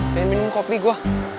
pengen minum kopi gue